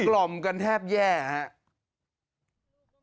กล่อมกันแทบแย่ฮะ